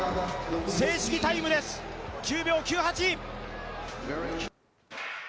正式タイムです、９秒９８。